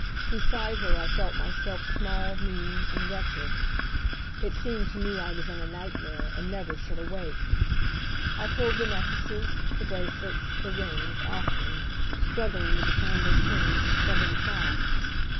Beside her I felt myself small, mean and wretched. It seemed to me I was in a nightmare and never should awake. I pulled the necklaces, the bracelets, the rings, off me, struggling with the tangled chains and stubborn clasps.